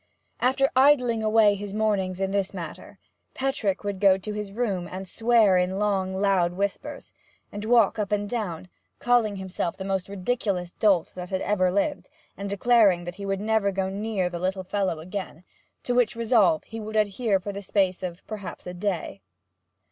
After idling away his mornings in this manner, Petrick would go to his own room and swear in long loud whispers, and walk up and down, calling himself the most ridiculous dolt that ever lived, and declaring that he would never go near the little fellow again; to which resolve he would adhere for the space perhaps of a day.